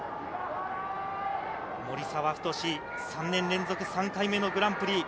守澤太志、３年連続３回目のグランプリ。